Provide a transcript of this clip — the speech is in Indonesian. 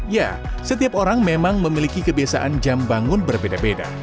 ya setiap orang memang memiliki kebiasaan jam bangun berbeda beda